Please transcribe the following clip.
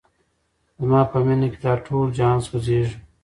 زما په مینه کي دا ټول جهان سوځیږي